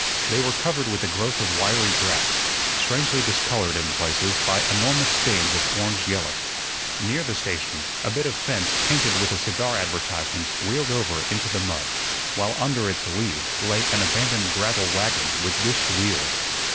They were covered with a growth of wiry grass, strangely discolored in places by enormous stains of orange yellow. Near the station a bit of fence painted with a cigar advertisement reeled over into the mud, while under its lee lay an abandoned gravel wagon with dished wheels.